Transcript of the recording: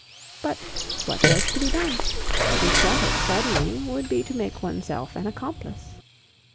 But what was to be done? To shut it suddenly would be to make oneself an accomplice.